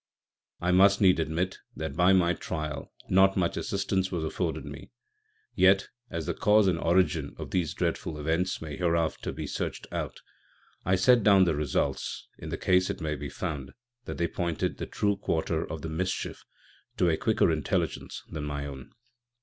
I must needs admit that by my Trial not much Assistance was afforded me: yet, as the Cause and Origin of these Dreadful Events may hereafter be search'd out, I set down the Results, in the case it may be found that they pointed the true Quarter of the Mischief to a quicker Intelligence than my own.